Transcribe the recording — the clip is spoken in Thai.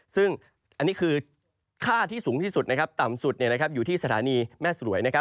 ซึ่งอันนี้คือค่าที่สูงที่สุดต่ำสุดอยู่ที่สถานีแม่สรวย